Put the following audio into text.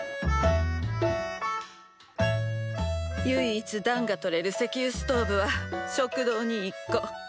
ゆいいつ暖がとれる石油ストーブは食堂に１個。